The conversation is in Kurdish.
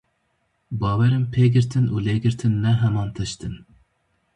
Bawer im pêgirtin û lêgirtin ne heman tişt in.